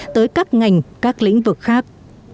tới các ngành các lĩnh vực khác